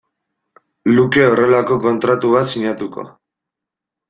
luke horrelako kontratu bat sinatuko.